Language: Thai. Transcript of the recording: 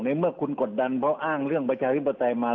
เมื่อคุณกดดันเพราะอ้างเรื่องประชาธิปไตยมา